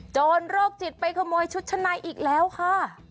โจรโรคจิตไปขโมยชุดชะนายอีกแล้วค่ะ